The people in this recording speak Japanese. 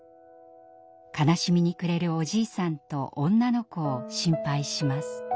悲しみに暮れるおじいさんと女の子を心配します。